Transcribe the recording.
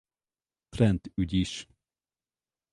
Trent-ügy is.